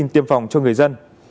tiêm phòng cho người dân